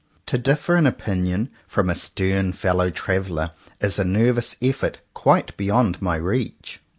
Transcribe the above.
To differ in opinion from a stern fellow traveller is a nervous effort quite beyond my reach.